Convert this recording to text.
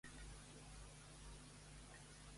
Qui fou Maria Claustre Panadés?